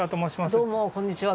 どうもこんにちは。